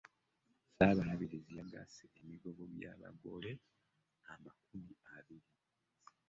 Ssabababirizi yagasse emigogo gya bagole amakumi abiri.